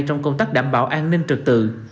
trong công tác đảm bảo an ninh trực tự